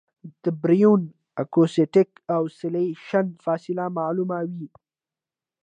د باریون اکوسټک اوسیلیشن فاصله معلوموي.